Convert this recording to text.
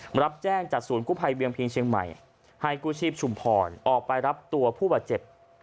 มารับแจ้งจากศูนย์กู้ภัยเวียงพิงเชียงใหม่ให้กู้ชีพชุมพรออกไปรับตัวผู้บาดเจ็บ